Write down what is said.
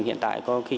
hiện tại có khi